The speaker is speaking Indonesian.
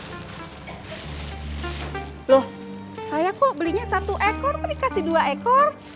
loh saya kok belinya satu ekor kasih dua ekor